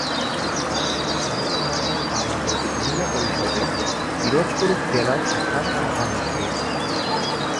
তার স্ত্রী মনিকা মন্ডল বাংলাদেশ মহিলা পরিষদের পিরোজপুর জেলা শাখার সভানেত্রী।